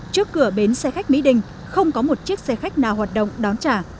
trước cửa bến xe khách mỹ đình không có một chiếc xe khách nào hoạt động đón trả